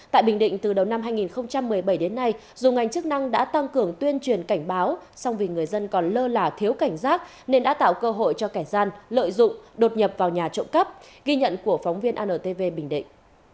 tại bình định từ đầu năm hai nghìn một mươi bảy đến nay dù ngành chức năng đã tăng cường tuyên truyền cảnh báo song vì người dân còn lơ là thiếu cảnh giác nên đã tạo cơ hội cho kẻ gian lợi dụng đột nhập vào nhà trộm cắp ghi nhận của phóng viên antv bình định